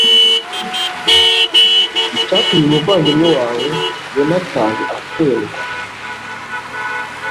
icyatumye umuvandimwe wawe yonatani afungwa